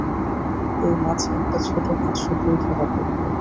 এই মাছ একটা ছোট হাতসুতোয় ধরা পড়ল।